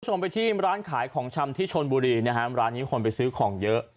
คุณผู้ชมไปที่ร้านขายของชำที่ชนบุรีนะฮะร้านนี้คนไปซื้อของเยอะ